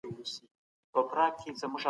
د پرمختګ لپاره ټولنیز ژوند ډېر اړین دی.